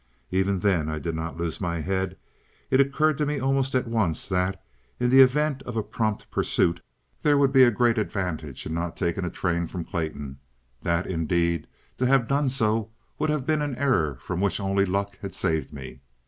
Even then I did not lose my head. It occurred to me almost at once that, in the event of a prompt pursuit, there would be a great advantage in not taking a train from Clayton; that, indeed, to have done so would have been an error from which only luck had saved me.